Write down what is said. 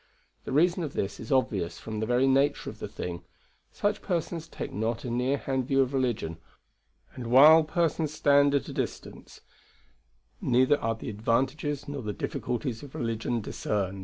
The reason of this is obvious from the very nature of the thing such persons take not a near hand view of religion, and while persons stand at a distance neither are the advantages nor the difficulties of religion discerned."